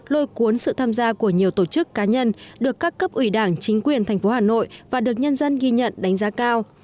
lôi cuốn sự tham gia của nhiều tổ chức cá nhân được các cấp ủy đảng chính quyền thành phố hà nội và được nhân dân ghi nhận đánh giá cao